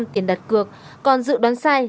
tiền đặt cược còn dự đoán sai